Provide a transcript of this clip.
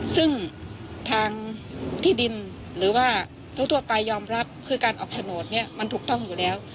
ซึ่งทางที่ดินหรือว่าทั่วไปยอมรับคือการออกโฉนดเนี่ยมันถูกต้องอยู่แล้ว